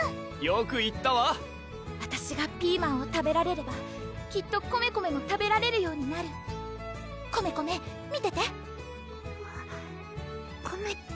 よく言ったわわたしがピーマンを食べられればきっとコメコメも食べられるようになるコメコメ見ててコメ！